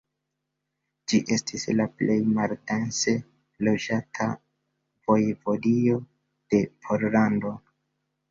Ĝi estis la plej maldense loĝata vojevodio de Pollando.